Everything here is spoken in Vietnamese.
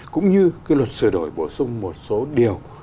cũng như cái luật sửa đổi bổ sung một số điều